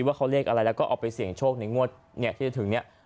ว่าเขาเลขอะไรแล้วก็เอาไปเสี่ยงโชคในงวดที่จะถึงเนี่ย